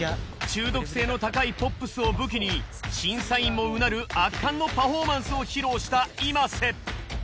中毒性の高いポップスを武器に審査員もうなる圧巻のパフォーマンスを披露したｉｍａｓｅ。